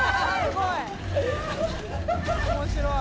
面白い。